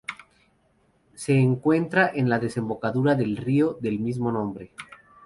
Se encuentra en la desembocadura del río del mismo nombre.